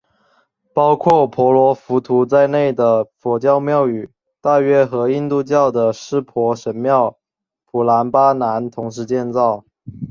包括婆罗浮屠在内的佛教庙宇大约和印度教的湿婆神庙普兰巴南同时建造。